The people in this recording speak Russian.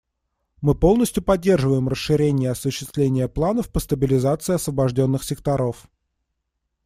Мы полностью поддерживаем расширение и осуществление планов по стабилизации освобожденных секторов.